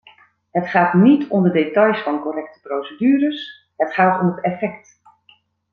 Het gaat niet om de details van correcte procedures: het gaat om het effect.